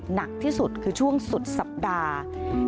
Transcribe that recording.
หนักที่สุดคือช่วงสุดสัปดาห์